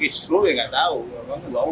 istro ya nggak tahu